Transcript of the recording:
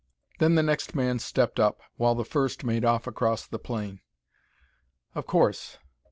Then the next man stepped up, while the first made off across the plain. Of course!